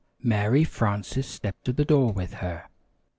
"] Mary Frances stepped to the door with her.